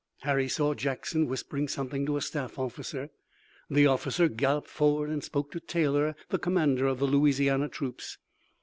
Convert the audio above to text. Harry saw Jackson whispering something to a staff officer. The officer galloped forward and spoke to Taylor, the commander of the Louisiana troops.